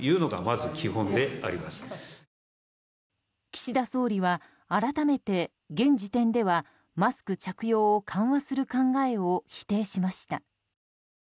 岸田総理は改めて現時点ではマスク着用を緩和する考えを否定しました。